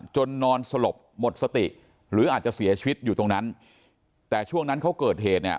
นอนสลบหมดสติหรืออาจจะเสียชีวิตอยู่ตรงนั้นแต่ช่วงนั้นเขาเกิดเหตุเนี่ย